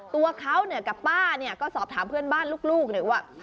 ตัวเขากับป้าก็สอบถามเพื่อนบ้านลูกนึกว่า